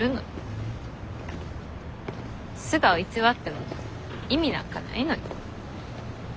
素顔偽っても意味なんかないのに。